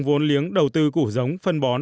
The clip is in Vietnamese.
vốn liếng đầu tư củ giống phân bón